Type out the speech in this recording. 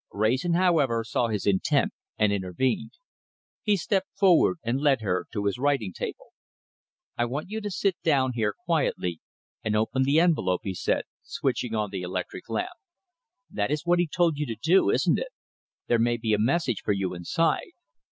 Wrayson, however, saw his intent and intervened. He stepped forward and led her to his writing table. "I want you to sit down here quietly and open the envelope," he said, switching on the electric lamp. "That is what he told you to do, isn't it? There may be a message for you inside."